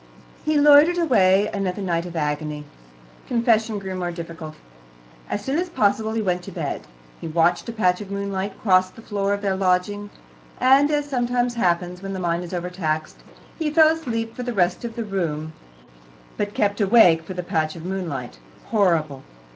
He loitered away another night of agony. Confession grew more difficult. As soon as possible he went to bed. He watched a patch of moonlight cross the floor of their lodging, and, as sometimes happens when the mind is overtaxed, he fell asleep for the rest of the room, but kept awake for the patch of moonlight. Horrible!